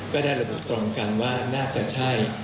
ก็ได้ระบุตรงกันว่าน่าจะใช่